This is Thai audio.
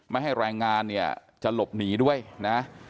ไม่ให้แรงงานเนี่ยจะหลบหนีด้วยนะ